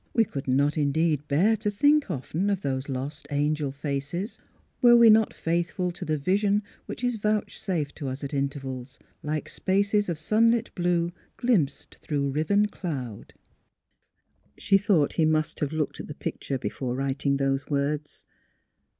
We could not, indeed, bear to think often of those * lost angel faces,' were we not faithful to the vision which is vouchsafed us at intervals, like spaces of sunlit blue glimpsed through riven cloud." She thought he must have looked at the pic ture before writing those words.